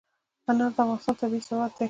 انار د افغانستان طبعي ثروت دی.